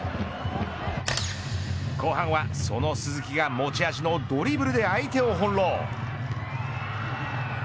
後半はその鈴木が持ち味のドリブルで相手を翻ろう。